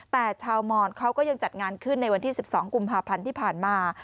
แต่ชาวมอนเขาก็ยังจัดงานขึ้นในวันที่๑๒กุมภาพันธ์ที่ผ่านมา